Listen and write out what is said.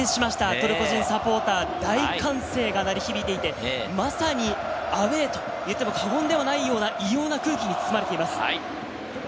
トルコ人サポーター、大歓声が鳴り響いていて、まさにアウェーと言っても過言ではないような異様な空気に包まれています。